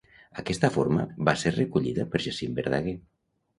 Aquesta forma va ser recollida per Jacint Verdaguer.